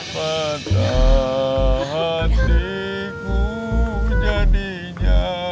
padahal hatiku jadinya